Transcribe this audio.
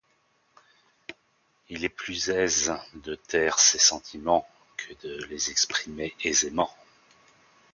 Il est plus aise de taire ses sentiments que de les exprimer aisement.